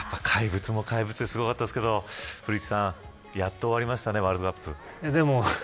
怪物は怪物ですごかったですけど古市さん、やっと終わりましたね